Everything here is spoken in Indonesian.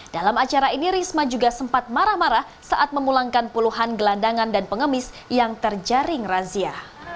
dalam acara ini risma juga sempat marah marah saat memulangkan puluhan gelandangan dan pengemis yang terjaring razia